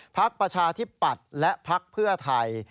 ประชาธิปัตย์และพักเพื่อไทย